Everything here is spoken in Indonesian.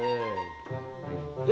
makasih bang yudh